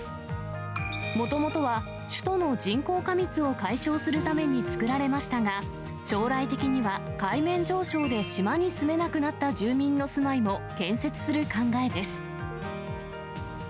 もともとは首都の人口過密を解消するために造られましたが、将来的には、海面上昇で島に住めなくなった住民の住まいも建設する考えです。